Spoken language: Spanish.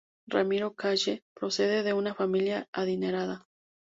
Ramiro Calle procede de una familia adinerada.